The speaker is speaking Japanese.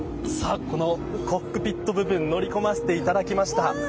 コックピット部分に乗り込ませていただきました。